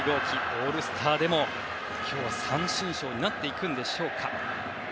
オールスターでも今日は三振ショーになっていくんでしょうか。